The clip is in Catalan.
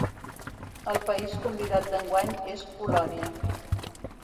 El país convidat d'enguany és Polònia.